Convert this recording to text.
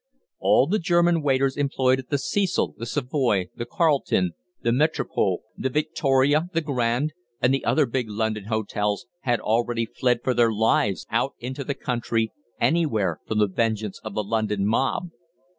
All the German waiters employed at the Cecil, the Savoy, the Carlton, the Métropole, the Victoria, the Grand, and the other big London hotels, had already fled for their lives out into the country, anywhere from the vengeance of the London mob.